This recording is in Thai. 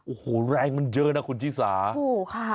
โอ้โหแรงมันเยอะนะคุณชิสาถูกค่ะ